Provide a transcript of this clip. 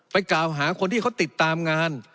กล่าวหาคนที่เขาติดตามงาน